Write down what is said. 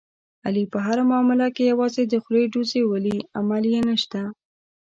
علي په هره معامله کې یوازې د خولې ډوزې ولي، عمل یې نشته.